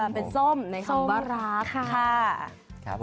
เป็นส้มในคำว่ารักค่ะ